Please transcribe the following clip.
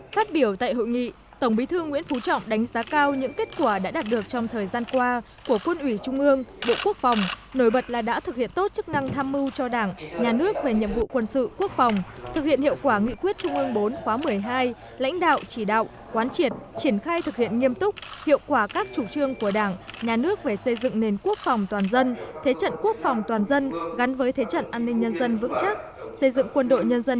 phát biểu tại hội nghị tổng bí thư nguyễn phú trọng đánh giá cao những kết quả đã đạt được trong thời gian qua của quân ủy trung ương bộ quốc phòng nổi bật là đã thực hiện tốt chức năng tham mưu cho đảng nhà nước về nhiệm vụ quân sự quốc phòng thực hiện hiệu quả nghị quyết trung ương bốn khóa một mươi hai lãnh đạo chỉ đạo quán triệt triển khai thực hiện nghiêm túc hiệu quả các chủ trương của đảng nhà nước về xây dựng nền quốc phòng toàn dân thế trận quốc phòng toàn dân gắn với thế trận an ninh nhân dân vững chắc xây dựng quân đội nhân dân